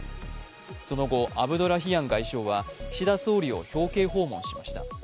その後、アブドラヒアン外相は岸田総理を表敬訪問しました。